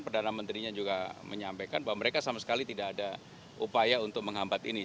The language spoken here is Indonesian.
perdana menterinya juga menyampaikan bahwa mereka sama sekali tidak ada upaya untuk menghambat ini